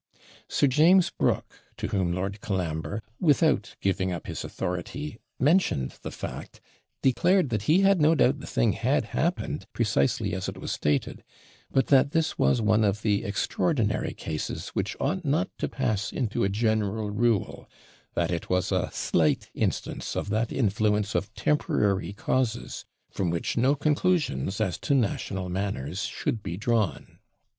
Sir James Brooke, to whom Lord Colambre, without GIVING UP HIS AUTHORITY, mentioned the fact, declared that he had no doubt the thing had happened precisely as it was stated; but that this was one of the extraordinary cases which ought not to pass into a general rule that it was a slight instance of that influence of temporary causes, from which no conclusions, as to national manners, should be drawn.